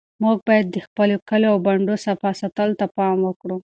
موږ باید د خپلو کلیو او بانډو صفا ساتلو ته پام وکړو.